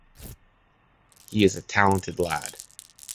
He is a talented lad.